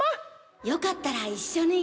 よかったら一緒に。